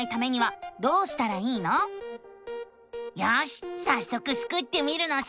よしさっそくスクってみるのさ！